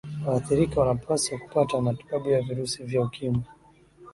waathirika wanapaswa kupata matibabu ya virusi vya ukimwi